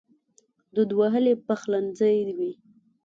دود وهلی پخلنځی وي